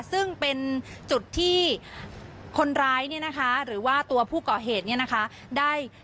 ซึ่งเป็นจุดที่คนร้ายเนี่ยนะคะหรือว่าตัวผู้ก่อเหตุเนี่ยนะคะได้